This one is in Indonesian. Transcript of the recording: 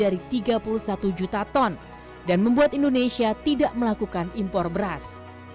dari tiga puluh satu juta ton dan membuat indonesia tidak melakukan impor beras